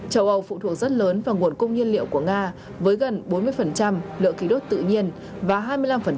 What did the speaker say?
châu âu phụ thuộc rất lớn vào nguồn cung nhiên liệu của nga với gần bốn mươi lượng kỳ đốt tự nhiên và hai mươi năm lượng dầu